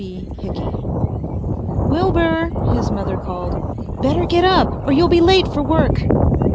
B. HICKEY "Wilbur!" his mother called. "Better get up or you'll be late for work!"